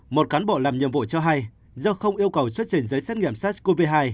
một cán bộ làm nhiệm vụ cho hay do không yêu cầu xuất trình giấy xét nghiệm sars cov hai